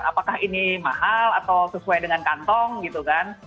apakah ini mahal atau sesuai dengan kantong gitu kan